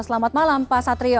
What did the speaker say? selamat malam pak satrio